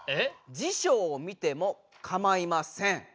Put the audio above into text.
辞書を見てもかまいません。